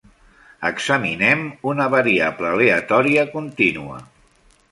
Examinem una variable aleatòria continua.